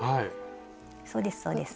そうですそうです。